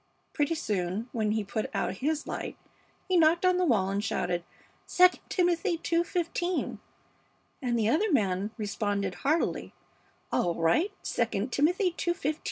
Pretty soon, when he put out his light, he knocked on the wall and shouted 'II Timothy ii:15,' and the other man responded, heartily, 'All right, II Timothy ii:15.'